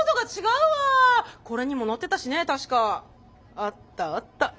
あったあった。